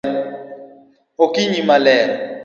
Okinyi maler